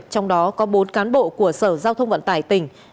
trong đó có bốn cán bộ của sở giao thông vận tải tỉnh